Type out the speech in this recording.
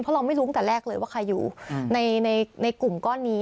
เพราะเราไม่รู้ตั้งแต่แรกเลยว่าใครอยู่ในกลุ่มก้อนนี้